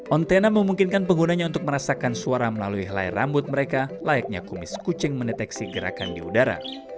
ontena memungkinkan penggunanya untuk merasakan suara melalui helai rambut mereka layaknya kumis kucing mendeteksi gerakan di udara